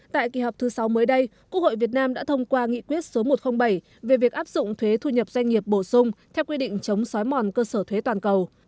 tại kỳ họp thứ sáu mới đây quốc hội việt nam đã thông qua nghị quyết số một trăm linh bảy về việc áp dụng thuế thu nhập doanh nghiệp bổ sung theo quy định chống xói mòn cơ sở thuế toàn cầu